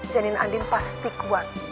janin andi pasti kuat